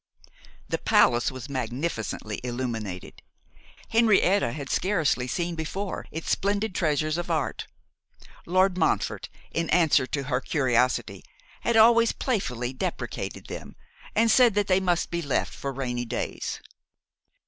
The palace was magnificently illuminated. Henrietta had scarcely seen before its splendid treasures of art. Lord Montfort, in answer to her curiosity, had always playfully depreciated them, and said that they must be left for rainy days.